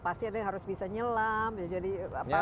pasti ada yang harus bisa nyelam